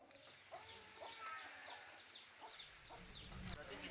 terima kasih terima kasih